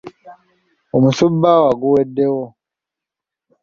Omusubbaawa guweddewo.